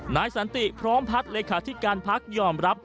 นายสันติพร้อมพัฒน์เลขาธิการพักยอมรับ